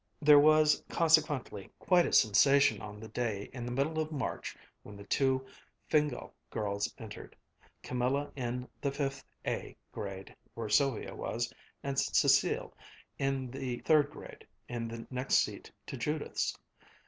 There was, consequently, quite a sensation on the day in the middle of March when the two Fingál girls entered, Camilla in the "Fifth A" grade, where Sylvia was, and Cécile in the third grade, in the next seat to Judith's.